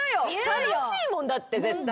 楽しいもんだって絶対。